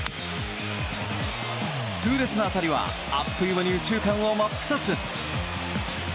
痛烈な当たりは、あっという間に右中間を真っ二つ。